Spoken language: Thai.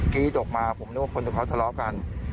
ที่ตกมาผมนึกว่าคนเขาทะเลาะกัน